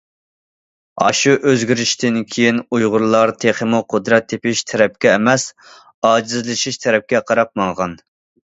ئاشۇ ئۆزگىرىشتىن كېيىن ئۇيغۇرلار تېخىمۇ قۇدرەت تېپىش تەرەپكە ئەمەس، ئاجىزلىشىش تەرەپكە قاراپ ماڭغان.